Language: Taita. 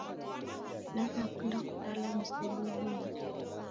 Naw'eakunda kughala mzedu idime.